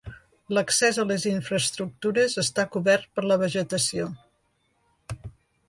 L'accés a les infraestructures està cobert per la vegetació.